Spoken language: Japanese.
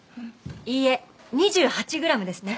いいえ２８グラムですね。